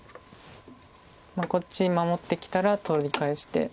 こっち守ってきたら取り返して。